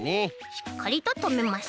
しっかりととめます。